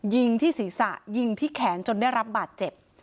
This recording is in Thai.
ยิงที่ศีรษะยิงที่แขนจนได้รับบาดเจ็บ